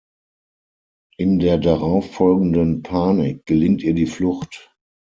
In der darauffolgenden Panik gelingt ihr die Flucht.